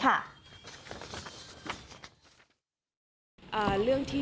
หลายปีแล้วค่ะ